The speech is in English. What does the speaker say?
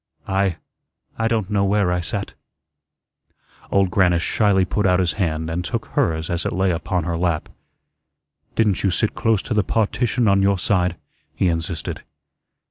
"I I don't know where I sat." Old Grannis shyly put out his hand and took hers as it lay upon her lap. "Didn't you sit close to the partition on your side?" he insisted.